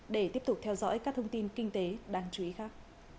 để tiếp tục theo dõi các thông tin kinh tế đáng chú ý khác